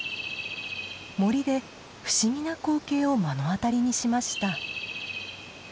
森で不思議な光景を目の当たりにしました。